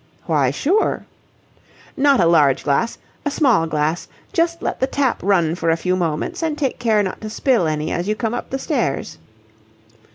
"Why, sure." "Not a large glass a small glass. Just let the tap run for a few moments and take care not to spill any as you come up the stairs.